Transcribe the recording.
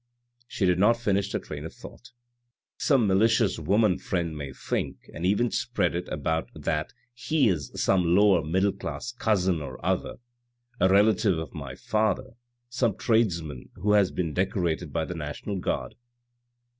She did not finish the train of thought, " Some malicious woman friend may think, and even spread it about that he is some lower middle class cousin or other, a relative of my father, some tradesman who has been decorated by the National Guard."